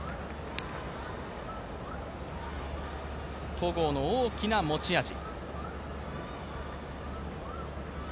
戸郷の大きな持ち味。